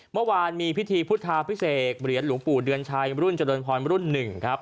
เมื่อวานมีพิธีพุทธาพิเศษเหรียญหลวงปู่เดือนชัยรุ่นเจริญพรรุ่น๑ครับ